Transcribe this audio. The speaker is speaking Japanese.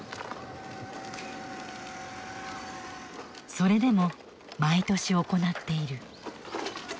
それでも毎年行っている。